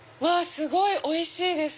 すごいおいしいです。